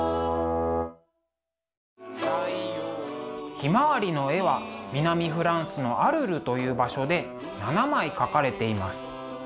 「ひまわり」の絵は南フランスのアルルという場所で７枚描かれています。